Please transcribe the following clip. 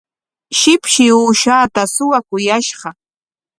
Shipshi uushaata suwakuyashqa.